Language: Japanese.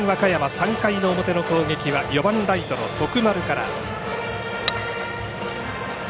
３回の表の攻撃は４番ライトの徳丸から。